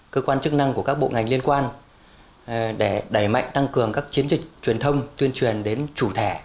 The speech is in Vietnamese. cơ quan chức năng của các bộ ngành liên quan để đẩy mạnh tăng cường các chiến dịch truyền thông tuyên truyền đến chủ thể